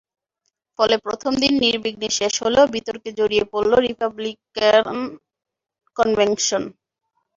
ফলে প্রথম দিন নির্বিঘ্নে শেষ হলেও বিতর্কে জড়িয়ে পড়ল রিপাবলিকান কনভেনশন।